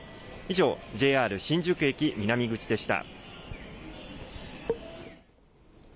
以上、ＪＲ新宿駅南口でした。